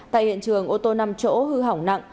tại hiện trường ô tô năm chỗ hư hỏng nặng